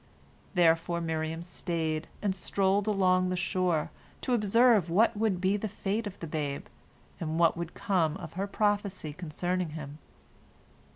Therefore Miriam stayed, and strolled along the shore, to observe what would be the fate of the babe, and what would come of her prophecy concerning him.